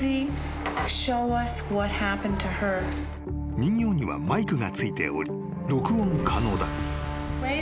［人形にはマイクが付いており録音可能だ］